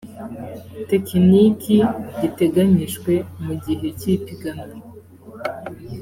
tekiniki giteganyijwe mu gihe cy ipiganwa